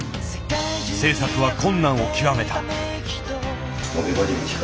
製作は困難を極めた。